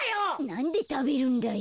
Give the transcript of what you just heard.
なんでたべるんだよ。